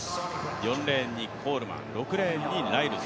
４レーンにコールマン、６レーンにライルズ